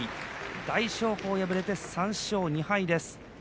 大翔鵬、敗れて３勝２敗です。